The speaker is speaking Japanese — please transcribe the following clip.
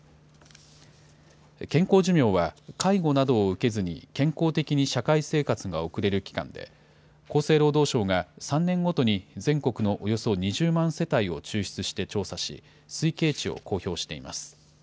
健康寿命は介護などを受けずに健康的に社会生活が送れる期間で、厚生労働省が３年ごとに全国のおよそ２０万世帯を抽出して調査し、推計値を公表しています。